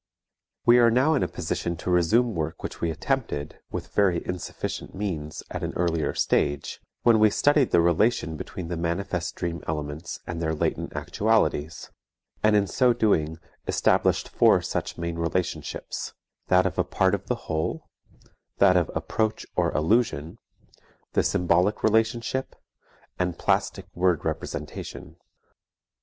We are now in a position to resume work which we attempted, with very insufficient means at an earlier stage, when we studied the relation between the manifest dream elements and their latent actualities, and in so doing established four such main relationships: that of a part of the whole, that of approach or allusion, the symbolic relationship and plastic word representation.